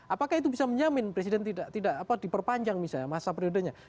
apakah itu bisa menjamin presiden tidak diperpanjang misalnya masa periodenya